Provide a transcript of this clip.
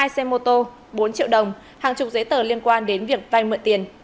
hai xe mô tô bốn triệu đồng hàng chục giấy tờ liên quan đến việc vay mượn tiền